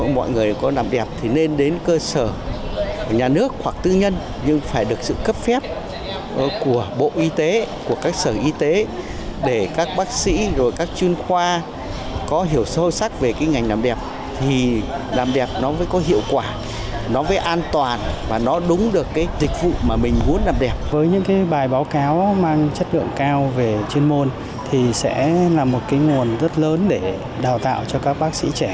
với những bài báo cáo mang chất lượng cao về chuyên môn thì sẽ là một nguồn rất lớn để đào tạo cho các bác sĩ trẻ